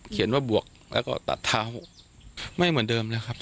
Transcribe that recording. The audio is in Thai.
เขียนว่าบวกแล้วก็ตัดเท้าไม่เหมือนเดิมนะครับ